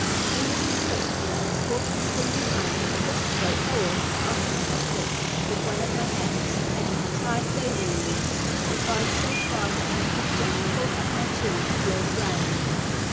In this necessity, I was forced to swim behind, and push the boat forwards as often as I could, with one of my hands; and, the tide favoring me, I advanced so far, that I could just hold up my chin and feel the ground.